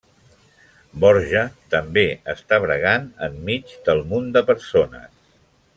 Borja també està bregant en mig del munt de persones.